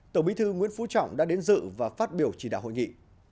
tổng bí thư nguyễn phú trọng đã đến dự và phát biểu chỉ đạo hội nghị